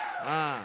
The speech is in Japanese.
ああ。